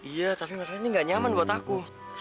iya tapi ngerasa ini gak nyaman buat aku